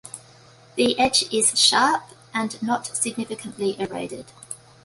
The edge is sharp and not significantly eroded.